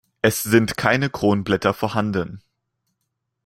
Es sind keine Kronblätter vorhanden.